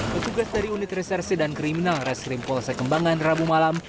pesugas dari unit resersi dan kriminal reskrim polse kembangan rabu malam